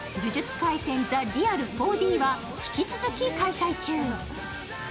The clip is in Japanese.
廻戦・ザ・リアル４Ｄ」は引き続き開催中。